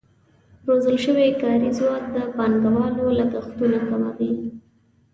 روزل شوی کاري ځواک د پانګوالو لګښتونه کموي.